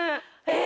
え‼